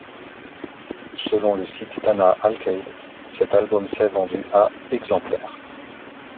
Selon le site d'Ana Alcaide, cet album s'est vendu à exemplaires.